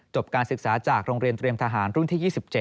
การศึกษาจากโรงเรียนเตรียมทหารรุ่นที่๒๗